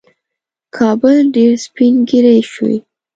کابل ډېر سپین ږیری شوی